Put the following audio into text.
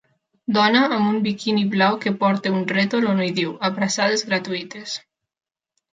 Dona amb un biquini blau que porta un rètol on hi diu: abraçades gratuïtes.